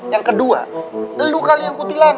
yang kedua nelu kali yang kutilan